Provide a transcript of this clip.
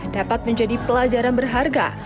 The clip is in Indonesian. dapat menjadi pelajaran berharga